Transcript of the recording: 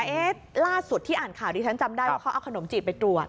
เอ๊ะล่าสุดที่อ่านข่าวดิฉันจำได้ว่าเขาเอาขนมจีบไปตรวจ